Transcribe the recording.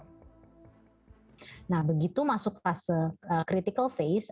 nah begitu masuk fase critical face